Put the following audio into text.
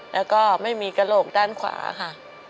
แล้วก็ไม่มีกระโหลกด้านขวาค่ะ